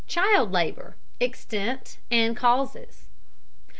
CHILD LABOR: EXTENT AND CAUSES.